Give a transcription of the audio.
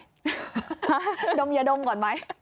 ดมยาดมก่อนไหม